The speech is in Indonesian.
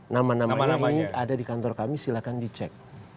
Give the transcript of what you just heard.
nama namanya ini ada di kantor kami silahkan dicek